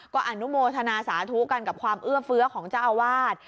ก็อนุโมทนาสาธุกันกับความเอื้อเฟื้อของเจ้าอาวาส